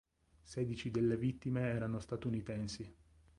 Sedici delle vittime erano statunitensi.